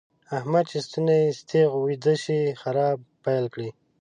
احمد چې ستونی ستخ ويده شي؛ خرا پيل کړي.